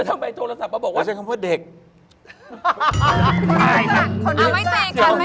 ไม่ตีกัน